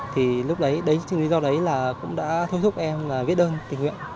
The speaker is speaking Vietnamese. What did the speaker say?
thì lúc đấy chính lý do đấy là cũng đã thu hút em viết đơn tình nguyện